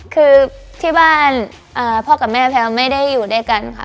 คือที่บ้านพ่อกับแม่แพลวไม่ได้อยู่ด้วยกันค่ะ